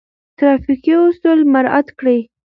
ترافیکي اصول مراعات کړئ.